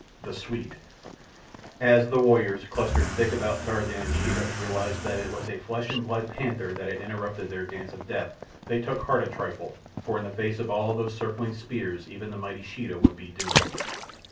The Swede As the warriors, clustered thick about Tarzan and Sheeta, realized that it was a flesh and blood panther that had interrupted their dance of death, they took heart a trifle, for in the face of all those circling spears even the mighty Sheeta would be doomed.